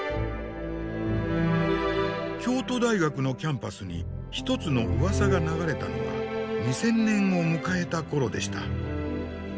京都大学のキャンパスに一つのうわさが流れたのは２０００年を迎えた頃でした。